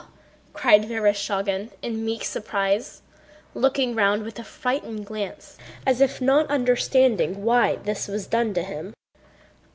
cried Vereshchágin in meek surprise, looking round with a frightened glance as if not understanding why this was done to him.